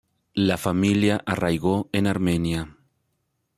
La familia arraigó en Armenia.